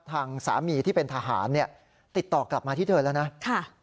ทางสามีที่เป็นทหารเนี่ยติดต่อกลับมาที่เธอแล้วนะ